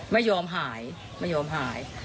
ไม่ยอมหายไม่ยอมหาย